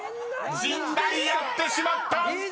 ［陣内やってしまった！